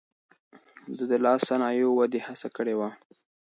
ده د لاس صنايعو ودې هڅه کړې وه.